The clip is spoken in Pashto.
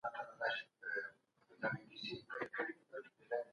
مدني ټولنه د سياسي ژوند سره اړيکه لري.